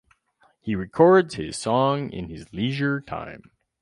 He records his song in his leisure time.